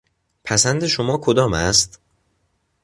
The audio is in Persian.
پسند شما کدام است؟